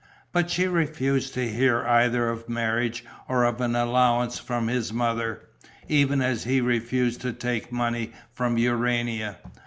But she refused to hear either of marriage or of an allowance from his mother, even as he refused to take money from Urania.